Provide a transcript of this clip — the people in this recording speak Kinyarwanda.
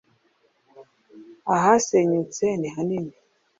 Ahasenyutse nihanini.